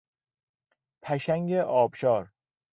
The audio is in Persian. پشنگ آبشار